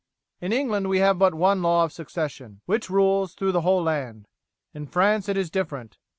In England we have but one law of succession, which rules through the whole land. In France it is different.